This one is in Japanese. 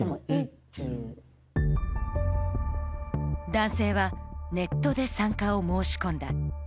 男性はネットで参加を申し込んだ。